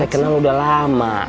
kan kita kenal udah lama